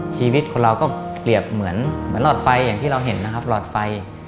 ชีวิตคนเราก็เปรียบเหมือนหลอดไฟอย่างที่เราเห็นนะครับหลอดไฟ